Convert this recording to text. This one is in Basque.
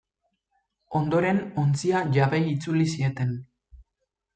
Ondoren, ontzia jabeei itzuli zieten.